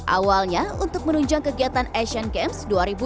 awalnya untuk menunjang kegiatan asian games dua ribu delapan belas